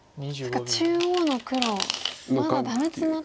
中央の黒まだダメツマってて。